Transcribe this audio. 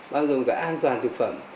bao gồm cả an toàn thực phẩm